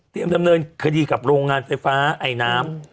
ดำเนินคดีกับโรงงานไฟฟ้าไอน้ำ